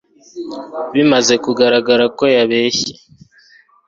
Bimaze kugaragara ko yabeshye.